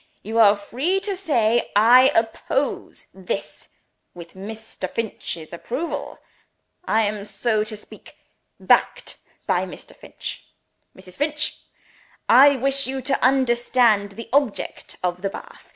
You are free to say 'I oppose This, with Mr. Finch's approval: I am, so to speak, backed by Mr. Finch.' Mrs. Finch! I wish you to understand the object of the bath.